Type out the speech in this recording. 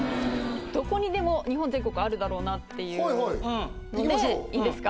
どこにでも日本全国あるだろうなっていうのでいいですか？